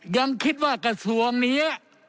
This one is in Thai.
ยังคิดว่ากระทรวงนี้